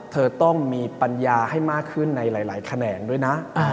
เธอต้องมีปัญญาให้มากขึ้นในหลายแขนงด้วยนะ